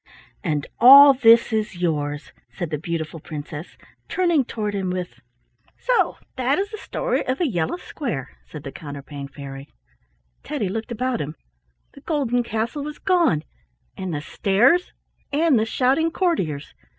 "And all this is yours," said the beautiful princess, turning toward him with— "So that is the story of the yellow square," said the Counterpane Fairy. Teddy looked about him. The golden castle was gone, and the stairs, and the shouting courtiers.